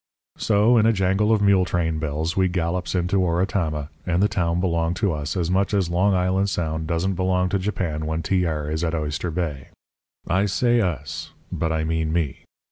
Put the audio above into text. "So, in a jangle of mule train bells, we gallops into Oratama, and the town belonged to us as much as Long Island Sound doesn't belong to Japan when T. R. is at Oyster Bay. I say us; but I mean me.